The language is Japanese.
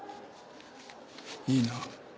いいな。